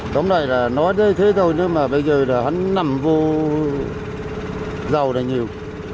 tóm lại là nói thế thôi nhưng mà bây giờ là hắn nằm vô dầu này nhiều